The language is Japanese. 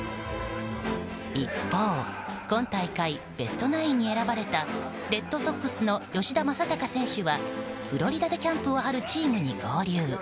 一方、今大会ベストナインに選ばれたレッドソックスの吉田正尚選手はフロリダでキャンプを張るチームに合流。